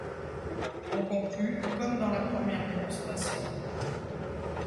On conclut comme dans la première démonstration.